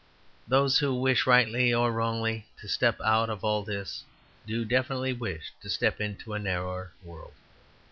Those who wish, rightly or wrongly, to step out of all this, do definitely wish to step into a narrower world.